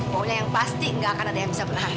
pokoknya yang pasti gak akan ada yang bisa berhati hati